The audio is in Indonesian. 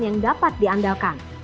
yang dapat diandalkan